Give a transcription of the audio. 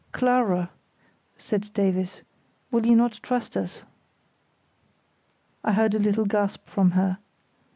"Clara!" said Davies, "will you not trust us?" I heard a little gasp from her.